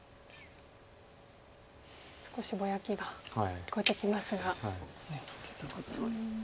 少しぼやきが聞こえてきますが。